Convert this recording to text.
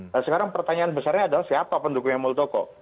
dan sekarang pertanyaan besarnya adalah siapa pendukungnya muldoko